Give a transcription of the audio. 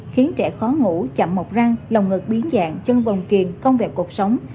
khiến trẻ khó ngủ chậm mọc răng lòng ngực biến dạng chân vòng kiền không vẹp cuộc sống